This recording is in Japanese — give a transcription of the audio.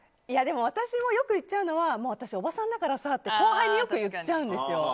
私もよく言っちゃうのは私、おばさんだからさって後輩によく言っちゃうんですよ。